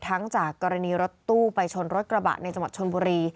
จากกรณีรถตู้ไปชนรถกระบะในจังหวัดชนบุรี